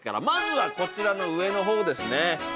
まずはこちらの上のほうですね。